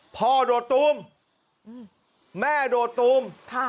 โดดตูมแม่โดดตูม